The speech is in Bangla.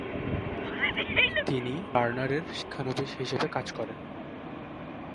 তিনি টার্নারের শিক্ষানবিশ হিসেবে কাজ করেন।